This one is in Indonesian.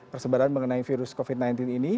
persebaran mengenai virus covid sembilan belas ini